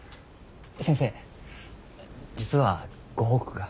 先生実はご報告が。